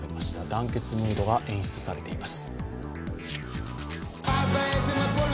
団結ムードが演出されています。